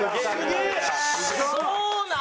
そうなんだ。